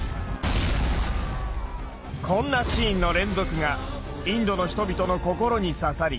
こんなシーンの連続がインドの人々の心に刺さり